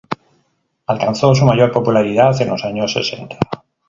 Alcanzó su mayor popularidad en los años sesenta.